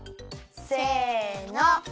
せの！